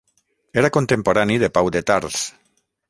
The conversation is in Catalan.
Era contemporani de Pau de Tars.